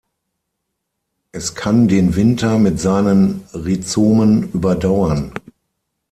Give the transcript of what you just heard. Es kann den Winter mit seinen Rhizomen überdauern.